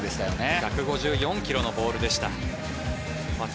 １５４ｋｍのボールでした。